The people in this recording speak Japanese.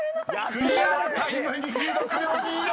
［クリアタイム２６秒２４！］